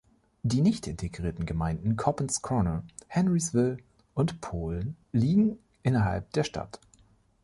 Die nicht integrierten Gemeinden Coppens Corner, Henrysville und Polen liegen innerhalb der Stadt.